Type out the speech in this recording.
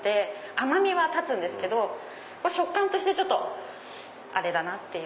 甘みは立つんですけど食感としてあれだなって。